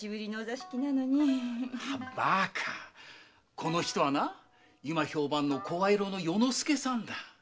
この人は今評判の声色の与の介さんだ。